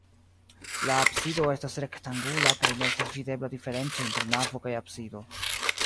La absido estas rektangula kaj ne estas videbla diferenco inter navo kaj absido.